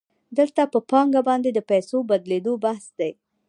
دلته په پانګه باندې د پیسو د بدلېدو بحث دی